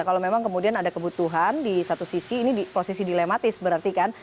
kalau memang kemudian ada kebutuhan di satu sisi ini posisi dilematis berarti kan